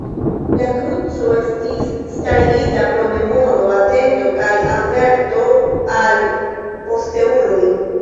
La kruco estis starigita pro memoro, atento kaj averto al posteuloj.